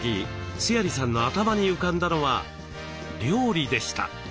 須鑓さんの頭に浮かんだのは「料理」でした。